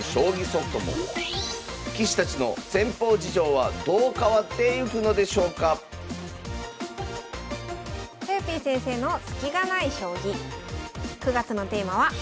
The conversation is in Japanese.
棋士たちの戦法事情はどう変わってゆくのでしょうかとよぴー先生の「スキがない将棋」。